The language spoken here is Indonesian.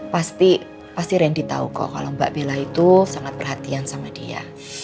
pasti pasti randy tau kok kalo mbak bella itu sangat perhatian sama dia